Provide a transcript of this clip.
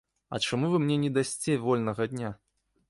А чаму вы мне не дасце вольнага дня?